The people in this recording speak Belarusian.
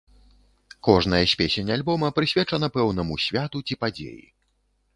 Кожная з песень альбома прысвечана пэўнаму святу ці падзеі.